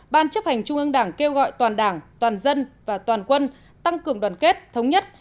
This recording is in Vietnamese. bốn ban chấp hành trung ương đảng kêu gọi toàn đảng toàn dân và toàn quân tăng cường đoàn kết thống nhất